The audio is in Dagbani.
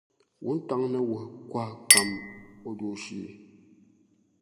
Wuntaŋa ni wuhi kɔha kam o dooshee.